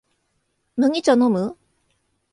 麦茶のむ？